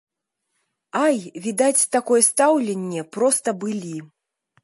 Ай, відаць такое стаўленне проста былі.